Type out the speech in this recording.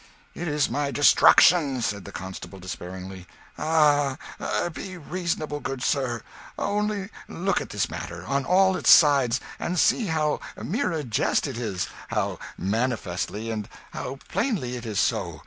"It is my destruction!" said the constable despairingly. "Ah, be reasonable, good sir; only look at this matter, on all its sides, and see how mere a jest it is how manifestly and how plainly it is so.